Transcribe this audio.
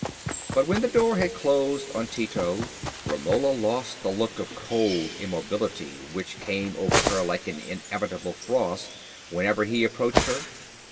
But when the door had closed on Tito, Romola lost the look of cold immobility which came over her like an inevitable frost whenever he approached her.